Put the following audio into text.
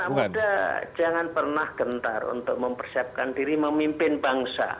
karena mudah jangan pernah gentar untuk mempersiapkan diri memimpin bangsa